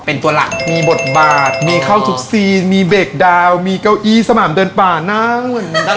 เป็นตัวหลักมีบทบาทมีเข้าทุกซีนมีเบรกดาวมีเก้าอี้สมามเดินป่านั่ง